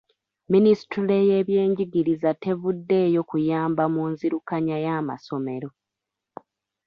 Minisitule y’ebyenjigiriza tevuddeeyo kuyamba mu nzirukanya y’amasomero.